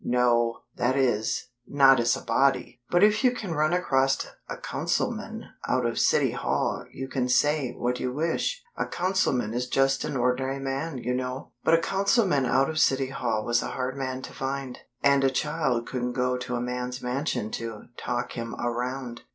No; that is, not as a body. But if you can run across a Councilman out of City Hall you can say what you wish. A Councilman is just an ordinary man, you know." But a Councilman out of City Hall was a hard man to find; and a child couldn't go to a man's mansion to "talk him around."